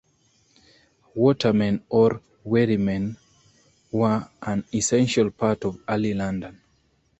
Watermen or wherrymen were an essential part of early London.